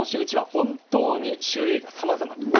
本当に種類がさまざまです。